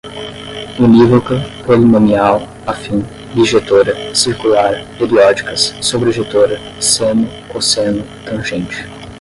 unívoca, polinomial, afim, bijetora, circular, periódicas, sobrejetora, seno, cosseno, tangente